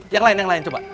yang lain yang lain coba